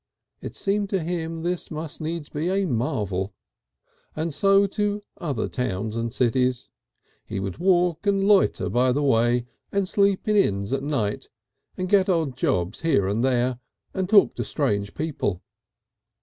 (It seemed to him this must needs be a marvel.) And so to other towns and cities. He would walk and loiter by the way, and sleep in inns at night, and get an odd job here and there and talk to strange people.